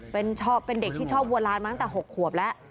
เป็นชอบเป็นเด็กที่ชอบบัวลานมาตั้งแต่๖ขวบแล้ว